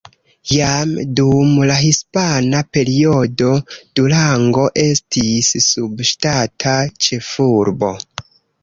Jam dum la hispana periodo Durango estis subŝtata ĉefurbo.